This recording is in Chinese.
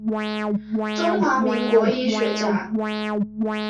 中华民国医学家。